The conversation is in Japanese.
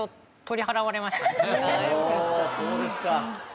おそうですか。